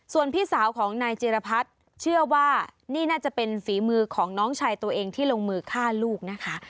ส่วนพี่สาวของนายจิรพัฒน์เชื่อว่านี่น่าจะเป็นฝีมือของน้องชายตัวเองที่ลงมือฆ่าลูกนะคะ